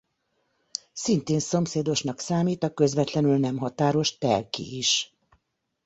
Szintén szomszédosnak számít a közvetlenül nem határos Telki is.